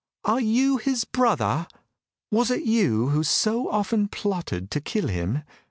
"Are you his brother? Was it you who so often plotted to kill him?"